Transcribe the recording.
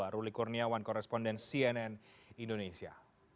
ruli kurniawan koresponden cnn indonesia